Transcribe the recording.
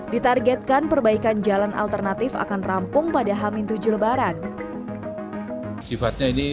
ditargetkan perbaikan jalan alternatif akan rampung pada hamin tujuh lebaran sifatnya ini